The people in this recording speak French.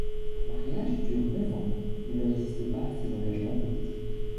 Leur mariage dure neuf ans mais ne résiste pas à ses engagements politiques.